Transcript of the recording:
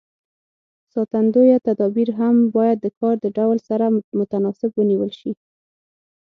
ساتندوی تدابیر هم باید د کار د ډول سره متناسب ونیول شي.